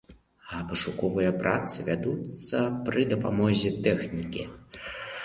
А пошукавыя працы вядуцца пры дапамозе тэхнікі.